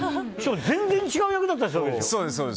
全然違う役だったりするでしょ。